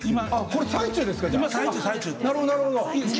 これ最中ですか？